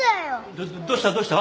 どっどっどうしたどうした？